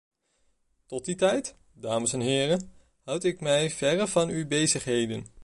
Tot die tijd, dames en heren, houd ik mij verre van uw bezigheden.